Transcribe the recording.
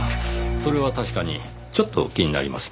それは確かにちょっと気になりますねぇ。